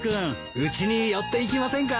うちに寄って行きませんか？